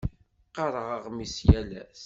Qqareɣ aɣmis yal ass.